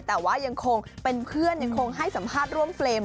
แต่ว่ายังคงเป็นเพื่อนยังคงให้สัมภาษณ์ร่วมเฟรม